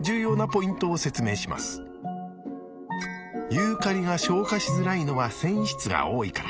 ユーカリが消化しづらいのは繊維質が多いから。